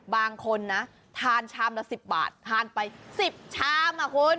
บางคนนะทานชามละ๑๐บาททานไป๑๐ชามอ่ะคุณ